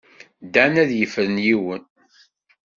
Dan ad yefren yiwen.